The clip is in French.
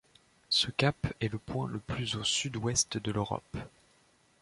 Ce cap est le point le plus au sud-ouest de l'Europe.